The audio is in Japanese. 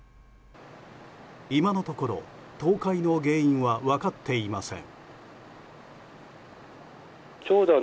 今のところ倒壊の原因は分かっていません。